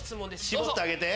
絞ってあげて。